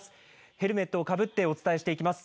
ヘルメットをかぶってお伝えしていきます。